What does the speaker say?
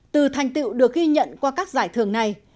từ thành tựu được ghi nhận qua các giải thưởng này